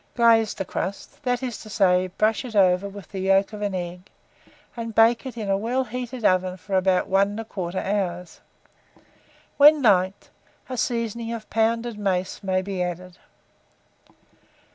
Glaze the crust, that is to say, brush it over with the yolk of an egg, and bake it in a well heated oven for about 1 1/4 hour. When liked, a seasoning of pounded mace may be added.